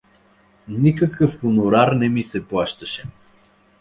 Никакъв хонорар не ми се плащаше.